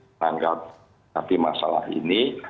tangkap masalah ini